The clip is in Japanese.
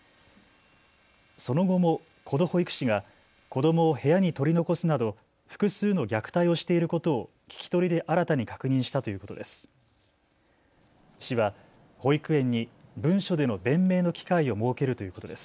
その後もこの保育士が子どもを部屋に取り残すなど複数の虐待をしていることを聞き取りで新たに確認したということです。